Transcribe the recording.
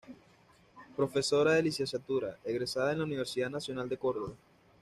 Profesora de literatura, egresada en la Universidad Nacional de Córdoba.